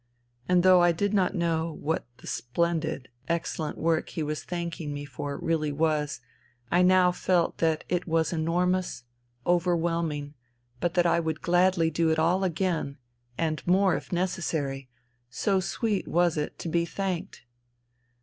And though I did not know what the splendid, excellent work 286 FUTILITY he was thanking me for really was, I now felt that it was enormous, overwhelming, but that I would gladly do it all again, and more if necessary : so sweet was it to be thanked